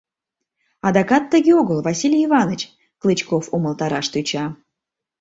— Адакат тыге огыл, Василий Иваныч, — Клычков умылтараш тӧча.